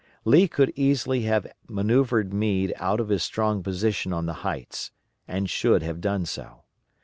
Lee could easily have manoeuvred Meade out of his strong position on the heights, and should have done so.